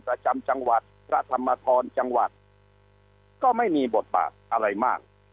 ประจำจังหวัดพระธรรมธรจังหวัดก็ไม่มีบทบาทอะไรมาก